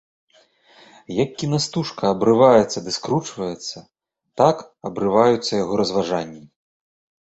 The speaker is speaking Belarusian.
Як кінастужка абрываецца ды скручваецца, так абрываюцца яго разважанні.